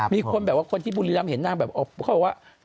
มีคนแบบว่าคนที่บุรีรำเห็นนางแบบเขาบอกว่า